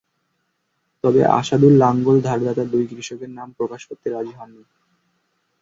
তবে আসাদুল লাঙল ধারদাতা দুই কৃষকের নাম প্রকাশ করতে রাজি হননি।